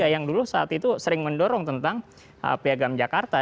yang dulu saat itu sering mendorong tentang piagam jakarta